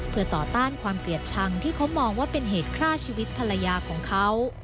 เพื่อต่อต้านความเกลียดชังที่เขามองว่าเป็นเหตุฆ่าชีวิตภรรยาของเขา